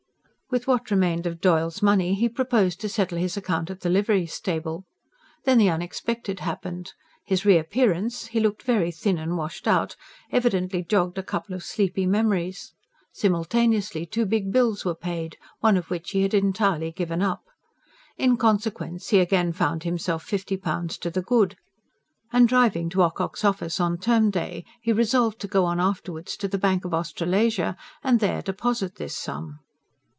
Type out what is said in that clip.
With what remained of Doyle's money he proposed to settle his account at the livery stable. Then the unexpected happened. His reappearance he looked very thin and washed out evidently jogged a couple of sleepy memories. Simultaneously two big bills were paid, one of which he had entirely given up. In consequence, he again found himself fifty pounds to the good. And driving to Ocock's office, on term day, he resolved to go on afterwards to the Bank of Australasia and there deposit this sum.